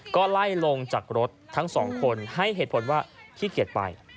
ก็ไล่ลงจากรถทั้งสองคนให้เหตุผลว่าขี้เกียจไป